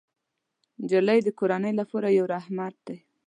نجلۍ د کورنۍ لپاره یو رحمت دی.